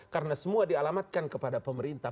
karena semua dialamatkan kepada pemerintah